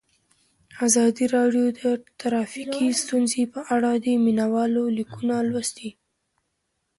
ازادي راډیو د ټرافیکي ستونزې په اړه د مینه والو لیکونه لوستي.